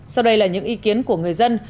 sau đây là những ý kiến của người dân